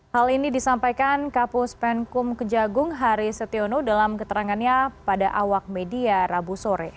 hal ini disampaikan kapus penkum kejagung hari setiono dalam keterangannya pada awak media rabu sore